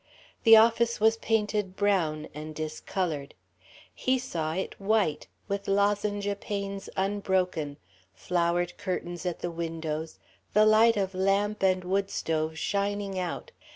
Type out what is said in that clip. The office was painted brown, and discoloured. He saw it white, with lozenge panes unbroken, flowered curtains at the windows, the light of lamp and wood stove shining out.